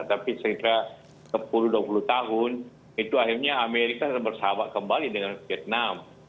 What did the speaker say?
tapi sekitar sepuluh dua puluh tahun itu akhirnya amerika bersahabat kembali dengan vietnam